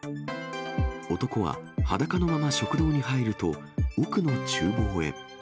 男は裸のまま食堂に入ると、奥のちゅう房へ。